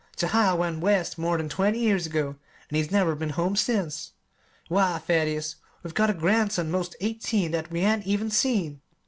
Jehiel went West more than twenty years ago, an' he's never been home since. Why, Thaddeus, we've got a grandson 'most eighteen, that we hain't even seen!